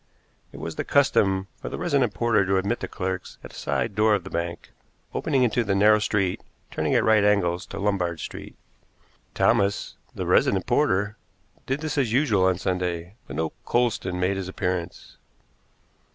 It was the custom for the resident porter to admit the clerks at a side door of the bank, opening into the narrow street turning at right angles to Lombard Street. Thomas, the resident porter, did this as usual on Sunday, but no Coulsdon made his appearance.